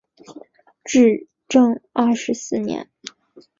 至正二十四年。